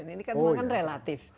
ini kan memang relatif